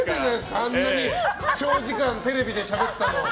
あんなに長時間テレビでしゃべったの。